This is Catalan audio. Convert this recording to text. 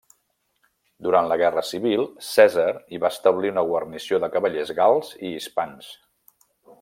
Durant la guerra civil Cèsar hi va establir una guarnició de cavallers gals i hispans.